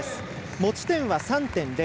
持ち点は３．０。